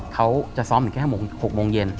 เขาจะซ้อมอยู่แค่๖โมงเย็น